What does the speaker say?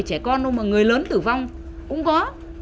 trẻ con không người lớn tử vong cũng có